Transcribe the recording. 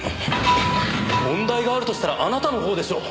問題があるとしたらあなたの方でしょう！